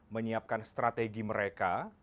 menyiapkan strategi mereka